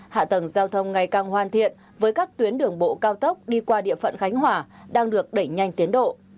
hạ tầng giao thông ngày càng hoàn thiện với các tuyến đường bộ cao tốc đi qua địa phận khánh hòa đang được đẩy nhanh tiến độ